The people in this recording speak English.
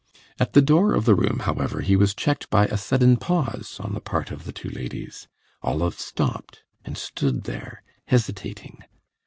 At the door of the room, however, he was checked by a sudden pause on the part of the two ladies: Olive stopped and stood there hesitating.